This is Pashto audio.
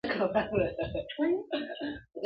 زموږ د تاریخ د اتلانو وطن-